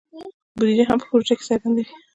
بودیجه هم په پروژه کې څرګنده وي.